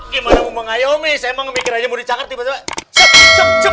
gimana mau mengayomi saya emang mikir aja mau dicakar tiba tiba